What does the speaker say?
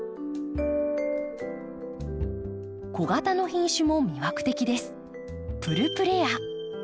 小型の品種も魅惑的です。